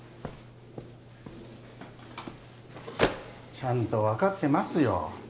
ちゃんと分かってますよ